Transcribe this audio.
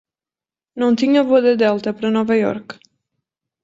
Não tinha voo da Delta pra Nova Iorque.